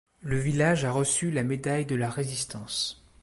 Le village a reçu la médaille de la Résistance.